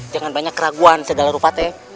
jangan banyak keraguan segala rupatnya